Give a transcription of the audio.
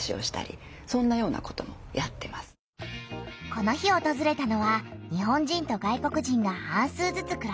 この日おとずれたのは日本人と外国人が半数ずつくらす団地。